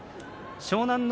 湘南乃